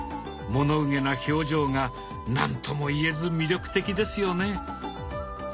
物憂げな表情が何とも言えず魅力的ですよね。